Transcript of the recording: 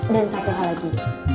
dan satu hal lagi